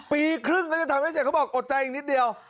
ปีครึ่งก็จะทำให้เสร็จเขาบอกอดใจอีกนิดเดียว